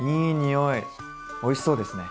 おいしそうですね。